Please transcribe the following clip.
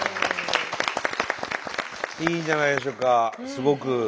いいんじゃないでしょうかすごく。